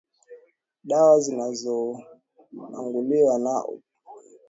dawa zinazolanguliwa za opiati huku dawa tofauti zikitumika